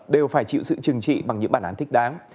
đều phải chịu sự trừng trị bằng những bản án thích đáng